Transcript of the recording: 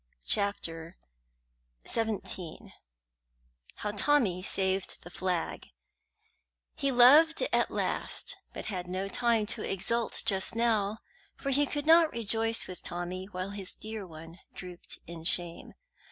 CHAPTER XVII HOW TOMMY SAVED THE FLAG He loved at last, but had no time to exult just now, for he could not rejoice with Tommy while his dear one drooped in shame.